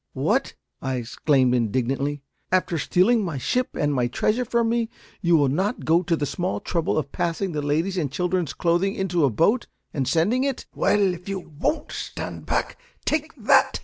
"What?" I exclaimed, indignantly, "after stealing my ship and my treasure from me, will you not go to the small trouble of passing the ladies' and children's clothing into a boat, and sending it " "Well, if you won't stand back, take that!"